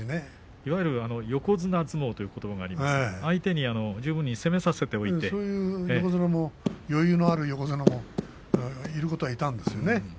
いわゆる横綱相撲ということばがありますが余裕のある横綱もいることはいたんですよね